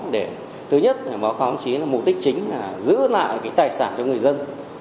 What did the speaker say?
để thứ nhất là báo cáo chí là mục đích chính là giữ lại cái tài sản cho người dân